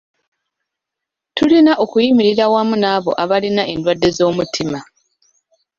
Tulina okuyimirira wamu n'abo abalina endwadde z'omutima